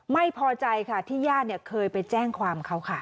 ไม่พอใจค่ะที่ญาติเคยไปแจ้งความเขาค่ะ